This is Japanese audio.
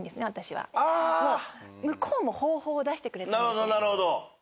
なるほどなるほど。